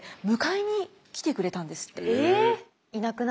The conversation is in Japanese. え！